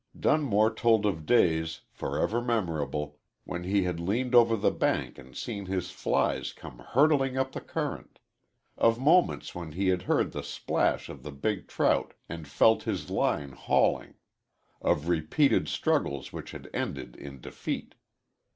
Dunmore told of days, forever memorable, when he had leaned over the bank and seen his flies come hurtling up the current; of moments when he had heard the splash of the big trout and felt his line hauling; of repeated struggles which had ended in defeat.